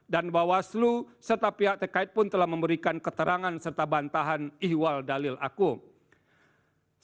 dan bawaslu serta pihak terkait pun telah memberikan keterangan serta bantahan ihwal dalil akwa